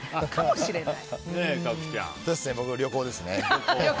僕は旅行ですね。